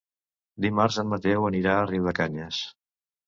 Dimarts en Mateu anirà a Riudecanyes.